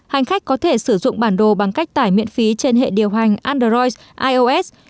hành khách có thể sử dụng bản đồ bằng cách tải miễn phí trên hệ điều hành android ios